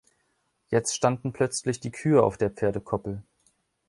Jetzt standen plötzlich die Kühe auf der Pferdekoppel.